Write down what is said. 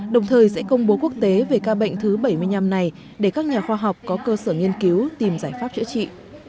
đồng thời sẽ công bố quốc tế về ca bệnh thứ bảy mươi năm này để các nhà khoa học có cơ sở nghiên cứu tìm giải pháp chữa trị